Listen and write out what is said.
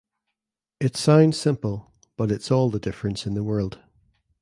It sounds simple, but it’s all the difference in the world.